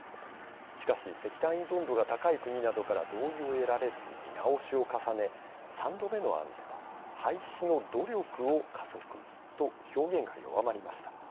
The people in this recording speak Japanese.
しかし、石炭依存度が高い国などから同意を得られず見直しを重ね、３度目の案では廃止の努力を加速と表現が弱まりました。